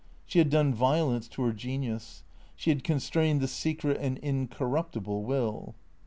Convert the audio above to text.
She had done violence to her genius. She had constrained the secret and incorruptible will.